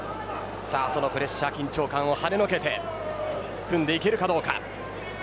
そのプレッシャー緊張感をはねのけて組んでいけるかどうか。